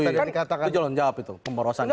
itu jalan jawab itu pemborosan